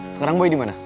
sekarang boy dimana